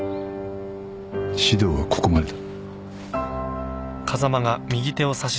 指導はここまでだ。